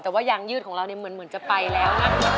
แต่ว่ายางยืดของเราเหมือนจะไปแล้ว